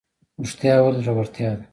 رښتیا ویل زړورتیا ده